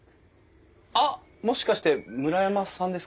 あっもしかして村山さんですか？